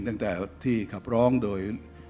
ตั้งแต่ที่ขับร้องโดย